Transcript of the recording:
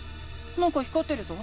なんか光ってるぞ。